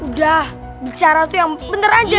udah bicara tuh yang bener aja